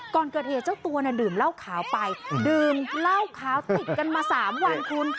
ก่อนเกิดเหตุเจ้าตัวเนี่ยดื่มเหล้าขาวไปดื่มเหล้าขาวติดกันมา๓วันคุณ